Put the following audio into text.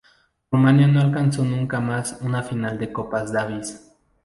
Rumanía no alcanzó nunca más una final de Copa Davis.